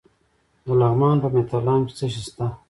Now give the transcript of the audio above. د لغمان په مهترلام کې څه شی شته؟